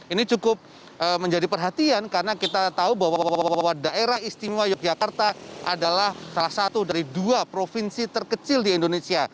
ini cukup menjadi perhatian karena kita tahu bahwa daerah istimewa yogyakarta adalah salah satu dari dua provinsi terkecil di indonesia